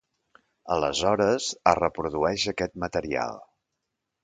Aleshores, es reprodueix aquest material.